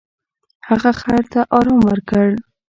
هغه خر ته ارام ورکړ.